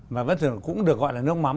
mà bất thường cũng được gọi là nước mắm